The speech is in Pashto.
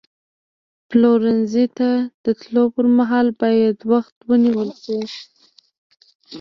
پلورنځي ته د تللو پر مهال باید وخت ونیول شي.